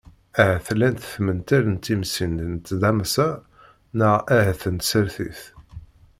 Ahat llant tmental n tismin n tdamsa neɣ ahat n tsertit.